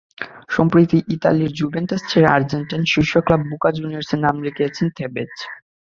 সম্প্রতি ইতালির জুভেন্টাস ছেড়ে আর্জেন্টাইন শীর্ষ ক্লাব বোকা জুনিয়র্সে নাম লিখিয়েছেন তেভেজ।